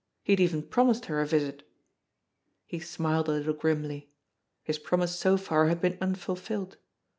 He had even promised her a visit! He smiled a little grimly. His promise so far had been unfulfilled.